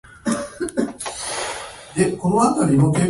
ギター弾きたい